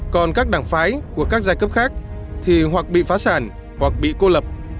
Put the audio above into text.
còn các đảng phái của các giai cấp khác thì hoặc bị phá sản hoặc bị cô lập